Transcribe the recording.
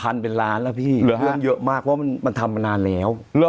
เรื่องเป็นพันเป็นล้านแล้วพี่เรื่องเยอะมากเพราะว่ามันทำมานานแล้ว